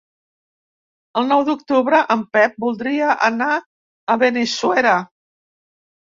El nou d'octubre en Pep voldria anar a Benissuera.